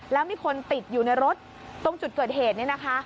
แล้วมีคนติดอยู่ในรถตรงจุดเกิดเหตุเนี่ยนะคะ